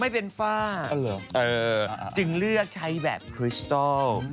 ไม่เป็นฝ้าจึงเลือกใช้แบบคริสตอล